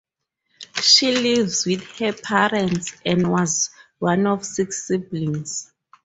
She lives with her parents and was one of six siblings.